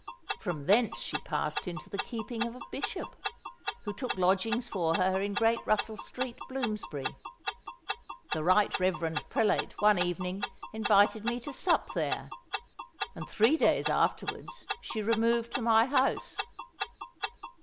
From thence she passed into the keeping of a bishop, who took lodgings for her in great Russell Street, Bloomsbury. The Right Reverend Prelate one evening invited me to sup there; and three days afterwards she removed to my house."